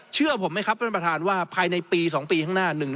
เชื่อผมไหมครับท่านประธานว่าภายในปี๒ปีข้างหน้า